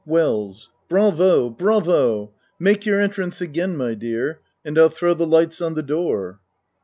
WELLS Bravo! Bravo! Make your entrance again, my dear, and I'll throw the lights on the door.